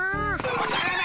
おじゃる丸！